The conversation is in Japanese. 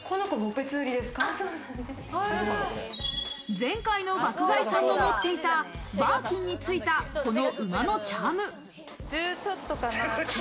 前回の爆買いさんも持っていたバーキンについたこの馬のチャーム。